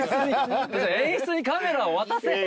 演出にカメラを渡せ。